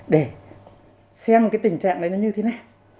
để xem cái tình trạng đấy nó như thế nào